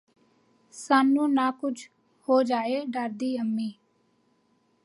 ਸਾਨੂੰ ਨਾ ਕੁਝ ਹੋ ਜਾਏ ਡਰਦੀ ਅੰਮੀ